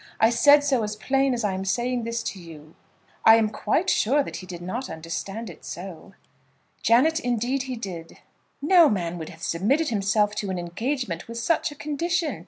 I said so as plain as I am saying this to you." "I am quite sure that he did not understand it so." "Janet, indeed he did." "No man would have submitted himself to an engagement with such a condition.